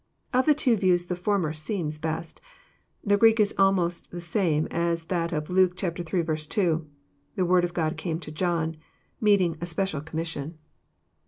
Of the two views the former seems best. The Greek is almost the same as that of Luke iii. 2 :" The word of God came to John," — meaning a special com mission. JOHN, CHAP.